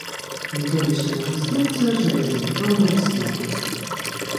Металічная канструкцыя, з жалезабетоннай асновай.